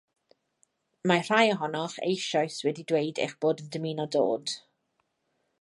Mae rhai ohonoch eisoes wedi dweud eich bod yn dymuno dod